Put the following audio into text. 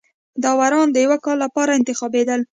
داورانو د یوه کال لپاره انتخابېدل.